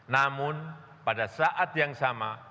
namun pada saat yang sama